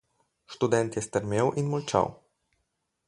Študent je strmel in molčal.